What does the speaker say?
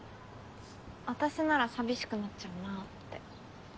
私なら寂しくなっちゃうなって。